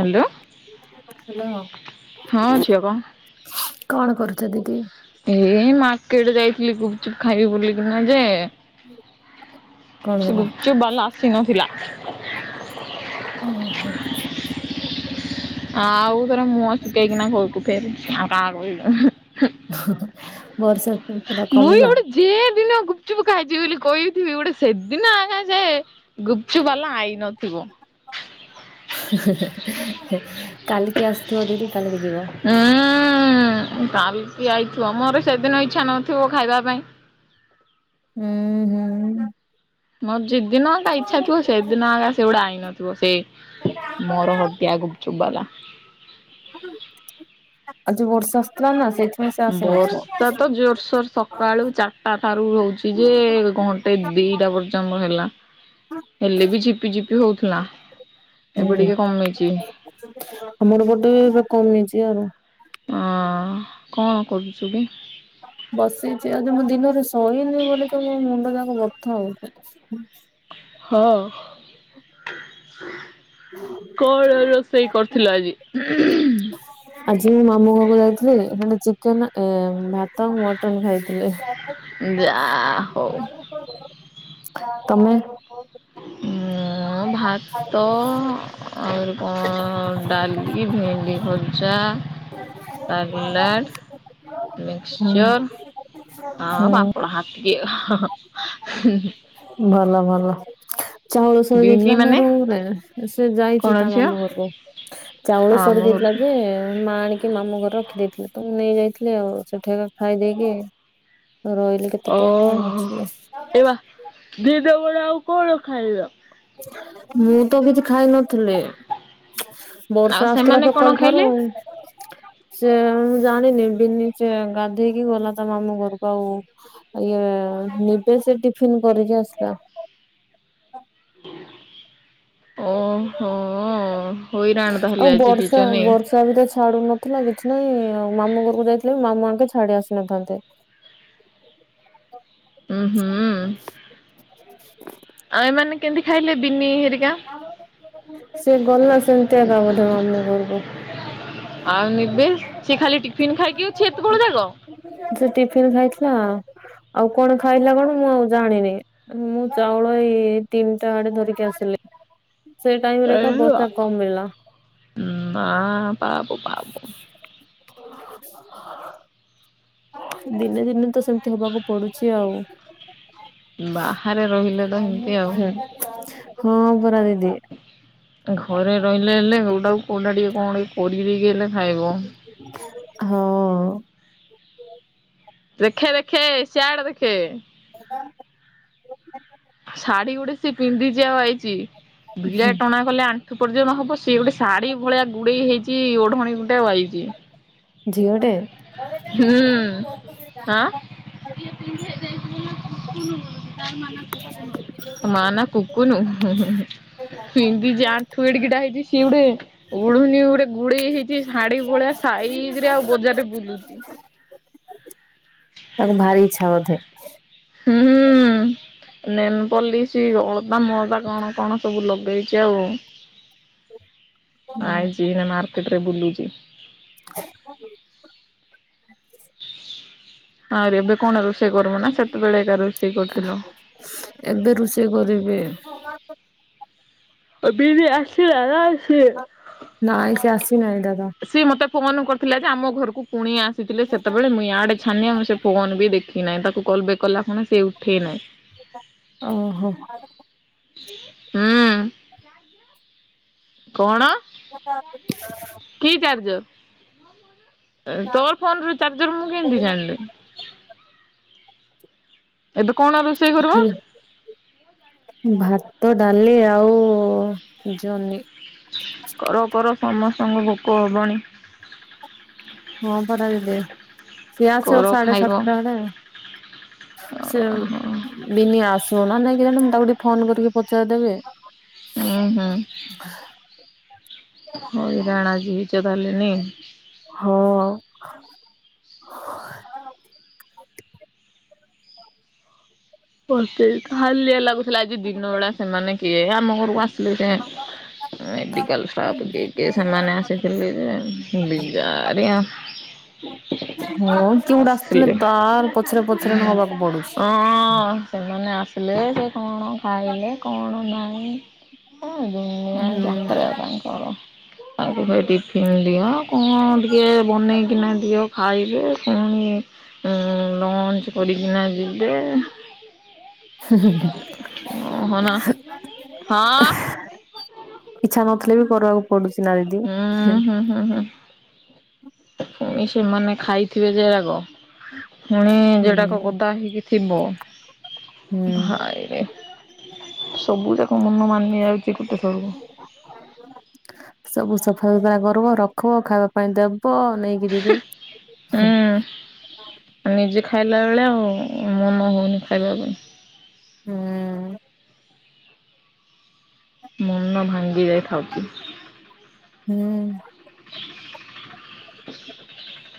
Hello. Hello. ହଁ ଝିଅ କହ। କଣ କରୁଛ ଦିଦି? ଏଇ ମାର୍କେଟ ଯାଇଥିଲି ଗୁପଚୁପ ଖାଇବି ବୋଲିକିନା ଯେ କଣ ହେଲା? ଚୁ ବାଲା ଆସିନଥିଲା। ଓ ହୋ। ଆଉଥରେ ମୁହ ଶୁଖେଇକିନା ଘରକୁ ଫେରି ଆଉ କାହାକୁ ବି ହଁ ହଁ ବର୍ଷ ମୁଇ ଗୋଟେ ଯେଏଦିନ ଗୁପଚୁପ ଖାଇଛି ବୋଲି କହିଥିବି ଗୋଟେ ସେଦିନ ଆଗ ସେ ଗୁପଚୁପ ବାଲା ଆଇନଥିବ। ହେ ହେଁ କାଲିକି ଆସଥିବ ଦିଦି କାଲିକି ଯିବ। ହୁଁ କାଲକି ଆଇଥିବ ମୋର ସେଦିନ ଇଚ୍ଛା ନଥିବ ଖାଇବା ପାଇଁ ହୁଁ। ହୁଁ ମୋର ଯିଦିିନ ଇଚ୍ଛା ଥିବ ସେଦିନଗା ସେଗୁଟା ଆଇନଥିବ ସେ ମୋର ହଟିଆ ଗୁପଚୁପ ବାଲା। ଆଉ ଯୋଉ ବର୍ଷା ଆସୁଥିଲା ନା ସେଇଥି ବର୍ଷା ତ ଜୋରସୋର ସ ସକାଳୁ ଚାରିଟା ଠାରୁ ହଉଛି ଯେ ଘଣ୍ଟେ ଦିଟା ପର୍ଯ୍ୟନ୍ତ ହେଲା। ହେଲେ ବି ଝିପି ଝିପି ହଉଥିଲା, ଏବେ ହୁଁ। ଟିକେ କମିଚି। ଆମର ପଟେ ଏବେ କମିଛି ଆଉ ହଁ କଣ କରୁଛୁ କି? ବସିଛି ଆଜି ମୁଁ ଦିନରେ ଶୋଇନି ବୋଲି ତ ମୋ ମୁଣ୍ଡ ଯାକ ବଥା ହଉଛି। ହଁ କଣ ର ସେଇ କରିଥିଲ ଆଜି। ଆଜି ମୁଁ ମାମୁଁ ଘରକୁ ଯାଇଥିଲି ସେ ଚିକେନ, ଭାତ, ମଟନ ଖାଇଥିଲି। ଯା ଆ ହଉ। ତମେ ମୁଁ ଭାତ ଆହୁରି କଣ ଡାଲି, ଭେଣ୍ଡି ଭଜା। ସାଲାଡ଼ [unintelligible] ହୁଁ ମିକ୍ସଚର୍ ହ ହୁଁ। ପାମ୍ପଡ ହାତିକ ଏକା ହୁଁ ଭଲ ଭଲ। ଚାଉଳ ସରି ବିନି ଯାଇଥିଲା ନା ମାନେ ରୁମରେ, ସେ କଣ ଯାଇଛି ତା ଝିଅ ମାମୁଁ ଘରକୁ। ଚାଉଳ ଆମ ସରିଯାଇଥିଲା ଘରକୁ ଯେ ମା ଆଣି ମାମୁଁ ଘରେ ରଖିଦେଇଥିଲେ ତ ମୁଁ ନେଇଯାଇଥିଲି ଆଉ ସେଠି ଏକା ଖାଇ ଦେଇକି ରହିଲି। କେତେ ଟାଇମ ନମୁ ଓହୋ ଆସିଲେ। ଏବା ଦିନ ବେଳେ ଆଉ କଣ ଖାଇଲ? ମୁଁ ତ କିଛି ଖାଇ ନଥିଲି। ଆଉ ବର୍ଷା ଆସୁଥିଲା ସେମାନେ କଣ ସକାଳୁ ଠାରୁ ଖାଇଲେ? ସେ ମୁଁ ଜାଣିନି, ବିନି ସେ ଗାଧେଇକି ଗଲା ତା ମାମୁଁ ଘରକୁ ଆଉ ଇଏ ନିବେ ସିଏ ଟିଫିିନ କରିକି ଆସିଲା। ଓହୋ ହୋଇରାଣି ତାହେଲେ ଆଜି ହେଇଛ ନେଇ ତାପରେ ଛାଡୁ ନଥିଲା କିଛି ନାହିଁ ଆଉ ମାମୁ ଘରକୁ ଯାଇଥିଲେ ବି ମାମୁ ଆଙ୍କେ ଛାଡି ଆସି ନଥାନ୍ତେ। ହୁଁ ହୁଁ ଆଉ ଏମାନେ କେମିତି ଖାଇଲେ ବିିନି ହେରିକା? [inaudible] ସେ ଗଲା ସେମତି ଆକା ବୋଧେ ମାମୁଁ ଘରକୁ। ଆଉ ନିବେ ସେ ଖାଲି ଟିଫିନ ଖାଇକି ଅଛି ଏତବେଳ ଯାକ। ସେ ଟିଫିନ ଖାଇଥିଲା ଆଉ କଣ ଖାଇଲା କଣ ମୁଁ ଆଉ ଜାଣିନେଇ। ମୁଁ ଚାଉଳ ଏଇ ତିନିଟା ଆଡେ ଧରିକି ଆସିଲି। ସେଇ ଟାଇମ ରେ ଏକା ବସା କମିଲା। ଉଁ ନା ପାବୁ ପାବୁ [inaudible] ଦିନେ ଦିନେ ତ ସେମତି ହବାକୁ ପଡୁଛି ଆଉ। ବାହାରେ ରହିଲେ ତ ଏମିତି ଆଉ। [inaudible] ହୁଁ ହଁ ପରା ଦିଦି। ଘରେ ରହିଲେ ହେଲେ କୋଉଟା କୁ କୋଉଟା ଟିକେ କଣ ଏଇ କରିଦେଇକି ହେଲେ ଖାଇବ। ହଁଅ। ଦେଖେ ଦେଖେ ସିଆଡେ ଦେଖେ। [inaudible] ଶାଢୀ ଗୋଟେ ସିଏ ପିନ୍ଧିଚି ଆଉ ଆଇଛି ଭିଡ଼ା ଟଣା କଲେ ଆଣ୍ଠୁ ପର୍ଯ୍ୟନ୍ତ ହବ ସିଏ ଗୁଟେ ଶାଢୀ ଭଳିଆ ଗୁଡେଇ ହେଇଚି ଓଢଣି ଗୁଟେ ୱାଇଚି। ଝିଅଟେ? ହୁଁ ଆଁ। [inaudible] ମା ନା କୁକୁନୁ ହୁଁ ହୁଁ ହୁଁ ପିନ୍ଧିଚି ଆଣ୍ଠୁ ଏଡିକିଟା ହେଇଚି। କିଏ ଗୁଟେ ଉଢୁନି ରେ ଗୁଟେ ଗୁଡେଇ ହେଇଚି ଶାଢୀ ଭଳିଆ ସାଇଜ ରେ ଆଉ ବଜାରରେ ବୁଲୁଚି। [inaudible] ତାକୁ ଭାରି ଇଚ୍ଛା ବଧେ। ହୁଁ ହୁଁ ଉଁ। ନେନପଲିସି ଅଳତା ମଳତା କଣ କଣ ସବୁ ଲଗେଇଚି ଆଉ। ହ ଆଇଚି ହେ ମାର୍କେଟରେ ବୁଲୁଚି। [inaudible] ଆରେ ଏବେ କଣ ରୋଷେଇ କରବୁନା ସେତେବେଳେ ଏକା ରୋଷେଇ କରିଥିଲୁ। ଏବେ ରୁଷେଇ କରିବି। ଅବି ବି ଆସିଲା ନାଁ ଆସିନି। ନାଇଁ ସେ ଆସିନାଇଁ ଦାଦା। ସିଏ ମତେ ଫୋନ କରିଥିଲା ଯେ ଆମ ଘରକୁ କୁଣିଆ ଆସିଥିଲେ ସେତେବେଳେ ମୁଁ ୟାଡେ ଛାନିଆ ମୁଁ ସେ ଫୋନ ବି ଦେଖି କି ନାଇଁ ତାକୁ କଲ ବେକ୍ କଲା ଖୁଣୁ ସେ ଉଠେଇ ନାଇଁ। ଓ ହୋ। ହୁଁଉଁ। କଣ? [inaudible] କି ଚାର୍ଜର ଏ ତୋର ଫୋନ ର ଚାର୍ଜର ମୁଁ କେନ୍ତି ଜାଣିଲି। ଏବେ କଣ ରୁଷେଇ କରଵ? ହେଲା ଭାତ ଡାଲି ଆଉ ଜନି। କର କର ସମସ୍ତଙ୍କୁ ଭୋକ ହବଣି। ହଁ ପରା ଦିଦି ସିଏ ଆସିବ କର ସାଢେ ଖାଇବ। ସାତଟା ବେଳେ। ସେ ବିନି ଆସିବ ନା ନାଇଁ କେଜାଣି ମୁଁ ତାକୁ ଟିକେ ଫୋନ କରିକି ପଚାରିଦେବି। ଉୁଁ ହୁଁ [inaudible] ହଇରାଣ ଆଜି ହେଇଚ ତାହେଲେ ନି? ହଅଁ। ହଁ ମତେ ହାଲିଆ ଲାଗୁଥୁଲା ଆଜି ଦିନ ବେଳା ସେମାନେ କିଏ ଆମ ଘରକୁ ଆସିଲେ କେଆଣି ମେଡିକାଲ ଷ୍ଟାଫ କିଏ କିଏ ସେମାନେ ଆସିଥିଲେ ଯେ ବିଜାରିଆ ହଁ କିଏ ଗୁଟେ ଆସିଥିଲେ ଆସିଲେ ତାର ପଛରେ ପଛରେ ଏନ ହବାକୁ ପଡୁଛି। ହଁ ସେମାନେ ଆସିଲେ ସେ କଣ ଖାଇଲେ କଣ ନାଇଁ ଉଁ ଦୁନିଆ ହୁଁ। ଯାତ୍ରା ତାଙ୍କର ଅଗୁରୁ ଏ ଟିକ୍ କିଣିଦିଅ କଣ ଟିକେ ବନେଇକିନା ଦିଅ ଖାଇବେ ପୁଣି ଅ ଲଞ୍ଚ୍ କଡିକିନା ଯିବେ ହୁଁ ହୁଁ ଓହନା ହୁଁ ହଁ ହୁ। ଇଛା ନଥିଲେ ବି କରିବାକୁ ପଡୁଛି ନା ଦିଦି ହୁଁ ହୁଁ ହୁଁ ହୁଁ ଫୁଣି ସେମାନେ ଖାଇଥିବେ ଯେ ଆଗ। ଫୁଣି ହୁଁ ଯେଡାକ ଗଦା ହୋଇକି ଥିବ ହୁଁ। ଭାଇରେ। ସବୁ ଯାକ ମନ ମାନି ଯାଉଚି ଗୋଟେ ଥରକୁ। ସବୁ ସଫା ସୁତୁରା କରବ ରଖିବ ଖାଇବା ପାଇଁ ଦେବ ନେଇ କି ଯିବି ହୁଁ ନିଜେ ଖାଇଲା ବେଳେ ଆଉ ମନ ହୋଉନି ଖାଇବାକୁ। ହୁଁଉ। ମନ ଭାଙ୍ଗି ଯାଇଥାଉଚି। ହୁଁ।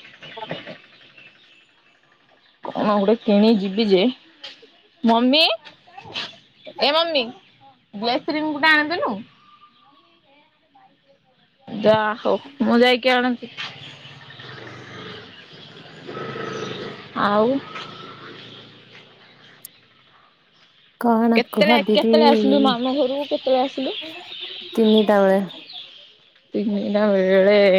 [unintelligible] କଣ ଗୋଟେ କିଣି ଯିବି ଯେ ମମି ଏ ମମି ଗ୍ଳେଶରିଂ ଗୁଟା ଆଣିଦେଲୁ? ଯାହୋଉ ମୁଁ ଯାଇକି ଆଣୁଚି ଆଉ। କଣ କୁହ କେତେବେଳେ ଦିଦି କେତେବେଳେ ଆସିଲୁ ମାମୁଁ ଘରକୁ କେତେବେଳେ ଆସିଲୁ ତିନିଟା ବେଳେ। ତିନିଟା ବେଳେ।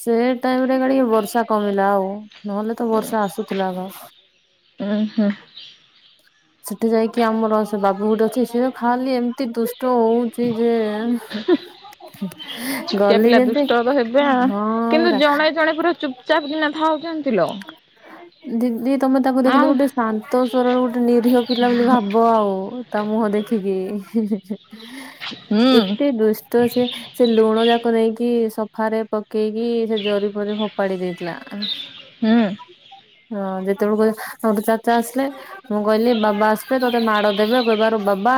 ସେ ଟାଇମରେ କାଡିକି ବର୍ଷା କମିଲା ଆଉ ନହେଲେ ତ ବର୍ଷା ଆସୁଥୁଲା ତ ଆଗ। ଉଁ ହୁଁ। ସେଠି ଯାଇକି ଆମର ସେ ବାବୁ ଗୁଟେ ଅଛି ସିଏ ଖାଲି ଏମତି ଦୁଷ୍ଟ ହୋଉ ଯେ ଛୋଟିଆ ଗଲି ପିଲା ଦୁଷ୍ଟ ଯେତି ତ ହେବେ ଆ ହଁ କିନ୍ତୁ ପର୍ ଜଣେ ଜଣେ ପୁରା ଚୁପ ଚାପ୍ କିନା ଥାଉଚନ୍ତି ଲୋ। ଦିଦି ତମେ ତାକୁ ଦେଖିଲେ ଆଉ ଗୋଟେ ଶାନ୍ତ ସରଳ ଗୋ ନିରିିହ ପିଲା ବୋଲି ଭାବ ଆଉ ତା ମୁହଁ ଦେଖିକି ଇଁ ହିଁ ହିଁ ହିଁ। ହୁଁ। ଦୁଷ୍ଟ ସେ ସେ ଲୁଣ ଯାକ ନେଇକି ସୋଫାରେ ପକେଇକି ସେ ଜରି ପରି ଫୋପାଡି ଦେଇଥିଲା। ହୁଁ। ହଁ ଯେତେବେଳୁ କହିଏ [unintelligible] ଚାଚା ଆସିଲେ ମୁଁ କହିଲି ବାବା ଆସିବେ ତ ମତେ ମାଡ ଦେବେ ଆଉ କହିବାରୁ ବାବା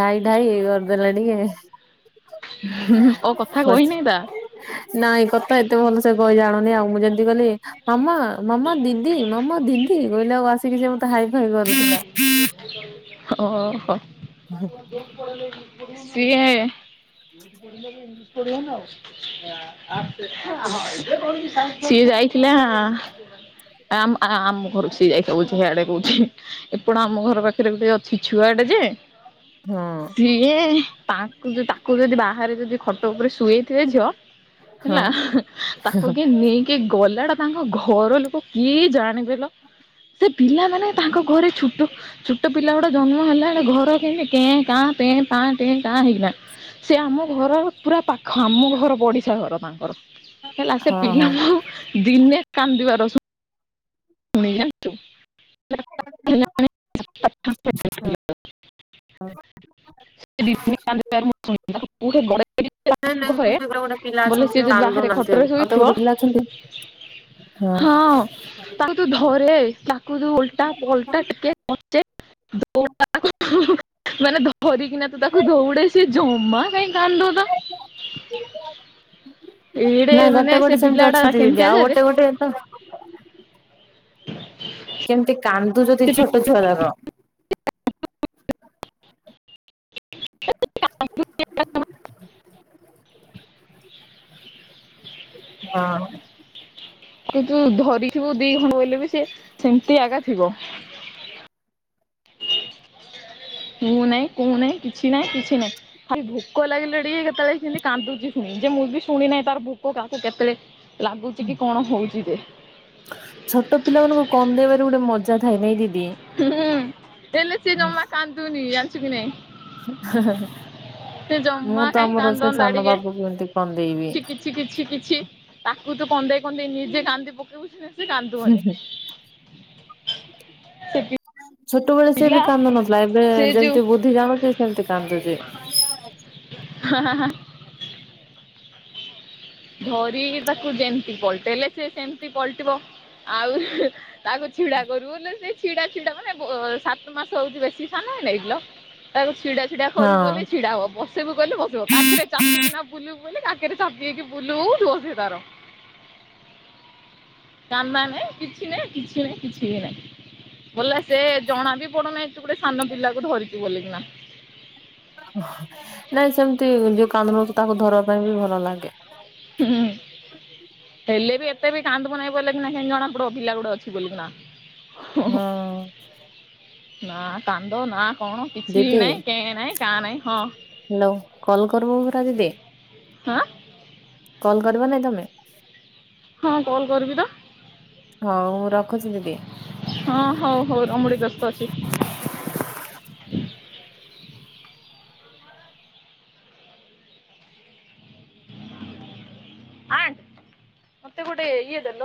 ଢାଇ ଢାଇ ଇ ଦେଲେ ଟିକେ। ହଁ ଅ କଥା କହିହନାଇଁ ତା। ନାଇଁ କଥା ଏତେ ଭଲ ସେ କହି ଜାଣୁନି ଆଉ ମୁଁ ଯେମତି ଗଲି ମାମା। ମାମ ଦିଦି, ମାମା ଦିଦି କହିଲେ ଆଉ ଆସିକି ସେ ମତେ ହାଇ ଫାଇ କରଥିଲା। ଓହୋ ସିଏ ଇ ପଢିବନି ଆଉ। ସିଏ ଯାଇଥିଲା ଆମ ଆମ ଘରୁଛ। ସେ ଯାଇ କହୁଛି ସେଇଆଡେ କହୁଛି ଏପଟେ ଆମ ଘର ପାଖରେ ଗୋଟେ ଅଛି ଛୁଆଟେ ଯେ ହଁ। ଯିଏ ତାଙ୍କୁ- ତାକୁ ଯଦି ବାହାରେ ଯଦି ଖଟ ଉପରେ ଶୁଏଇଥିବେ ଝିଅ ହଁ ହେଲା। ତାକୁ କିଏ ନେଇକି ଗଲା ଟା ତାଙ୍କ ଘ ଘର ଲୋକ କିଏ ଜାଣିବେ ଲୋ। ସେ ପିଲାମାନେ ତାଙ୍କ ଘରେ ଛୋଟ ଛୋଟ ପିଲା ଗୁଡେ ଜନ୍ମ ହେଲା ବେ ଘର କେମିତି କେଁ କାଁ ତେଁ କାଁ ତେଁ କାଁ ହେଇଗଲା। ସେ ଆମ ଘରର ପୁରା ପାଖ। ଆମ ଘର ପଡିଶା ଘର ତାଙ୍କର। ହେଲା ସେ ହଁ ହଁ। ପିଲାଙ୍କୁ ଦିନେ କାନ୍ଦିବାର ଶୁଣି ଯାଆନ୍ତୁ। ହଁ। ପୁର ବ ନାଇଁ ନାଇଁ [unintelligible] ଗୋଟେ ଗୋଟେ ପିଲା [unintelligible] ବୋଲେ ଅଛନ୍ତି ବାହାରେ କାନ୍ଦୁନାହାନ୍ତି ଖଟରେ ଆଉ ଆଉ ତ ଶୋଇଥିବ ଗୋଟେ ପିଲା ଅଛନ୍ତି ହଁ ତାକୁ ତୁ ଧରେ ତାକୁ ତୁ ଓଲଟା ପଲଟା ଟିକେ ମାନେ ଧର [unintelligible] ନା ତୁ ତାକୁ ଦଉଡେ ସେ ଜମା କାଇହିଁ କାନ୍ଦୁ ଏଇଡେ ନାଇଁ ମାନେ ଗୋଟେ ଗୋଟେ ସେ ସେମିତି ବିଲାଡ ଅଛନ୍ତି ଦିଦି କେମିତିଆ ଯେ [unintelligible] କେମତି କାନ୍ଦୁ ଯଦି ଛୋଟ ଛୁଆ ଯାକ। [unintelligible] ହଁ କି ତୁ ଧରିଥିବୁ ଦି ଖଣ୍ଡ ବୋଇଲେ ବି ସେି ସେମିତି ଆଗା ଥିବ। ମୁଁ ନାହିଁ କୋଁ ନାହିଁ କିଛି ନାହିଁ କିଛି ନାହିଁ। ଭାଇ ଭୋକ ଲାଗିଲା ଟିକେ କେତେବେଳେ ସେମିତି କାନ୍ଦୁଛି ଶୁଣି ଯେ ମୁଁ ବି ଶୁଣି ନାହିଁ ତାର ଭୋକ କାହାକୁ କେତେବେଳେ ଲାଗୁଚ କି କଣ ହଉଛି ଯେ। ଛୋଟ ପିଲାମାନାନଙ୍କୁ କନ୍ଦେଇବାରେ ଗୋଟେ ମଜା ଥାଏ ନାଇଁ ଦିଦି। ହୁଁ ଏଲେ ସେ ନମା କାନ୍ତୁନି ଯାଚୁ କି ନାଇଁ? ସେ ଜମା ମୁଁ ତ ଆମର ସେ ସାନ ବାବୁ କେମିତି ଛି କିଛି କିଛି କିଛି ତାକୁ ତ କନ୍ଦେଇ କନ୍ଦେଇ ନିଜେ କାନ୍ଦି ପକେଇବ ସେ ସେ କାନ୍ଦୁିବନି। ଛୋଟବେେଳେ ସିଏ ବି ପିଲା କାନ୍ଦୁ ନଥିଲା ଏବେ ସେ ଯୋଉ ଯେମିତି ବୁଦ୍ଧି ଜାଣୁଛି ସେମତି କାନ୍ଦୁଚି। ହଁଁ ହଁ ଧରି ତାକୁ ଯେମିତି ପଟେଇଲେ ସେ ସେମିତି ପଲଟିବ। ଆଉ ତାକୁ ଛିଡା କରୁଲେ ସେ ଛିଡା ଛିଡା ମାନେ ସାତ ମାସ ହଉଛି ବେଶୀ ସାନା ହେଗିଲ। [unintelligible] ଛିା କରିବୁ ହଁ ବୋଲି ଛିଡା ହବ ବସିବୁ କଲେ ବସିବ କାରେ ଚାପିକି ନା ବୁଲିବୁ ବୋଲିଲେ କାରେ ଚାପିକି ବୁଲୁଛୁ ଅଛି ତାର। କା ନାଇଁ କିଛି ନାଇଁ କିଛି ନାହିଁ କିଛି ବି ନାହିଁ। ବୋଲେ ସେ ଜଣା ବି ପଡୁନାହି ତୁ ଗୋଟେ ସାନ ପିଲାକୁ ଧରିଛୁ ବୋଲିକିନା ନାଇଁ ସେମତି ଯୋଉ କାନ୍ଦୁ ନଥିବ ତାକୁ ଧରିବା ପାଇଁ ବି ଭଲ ଲାଗେ। ହୁଁ ହେଲେ ବି ଏତେ ବି କାନ୍ଦୁ ନାହିଁ ବୋଲେ କିନା କିମିତି ଜଣାପଡ଼ିବ ପିଲା ଗୋଟେ ଅଛି ବୋଲିକିନା ହଁ ନା କାନ୍ଦ ନା କଣ କିଛି ଦିଦି ନାାଇଁ କେ ନାଇଁ କା ନାହିଁ ହଁ ହ୍ୟାଲୋ କଲ୍ କରିବୁ ପରା ଦିଦି ହାଁ କଲ୍ କରିବ ନାଇଁ ତମେ? ହଁ କଲ୍ କରିବି ତ। ହଉ ମୁଁ ରଖୁଛି ଦିଦି। ହଁ ହଉ ହଉ ର ମୁ ଟିକେ ବ୍ୟସ୍ତ ଅଛି। ଅଣ୍ଟ୍ ମତେ ଗୋଟେ ଇଏଦେଲ